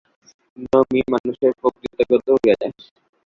নিয়মই মানুষের প্রকৃতিগত হইয়া যায়।